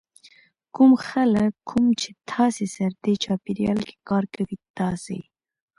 کوم خلک کوم چې تاسې سره دې چاپېریال کې کار کوي تاسې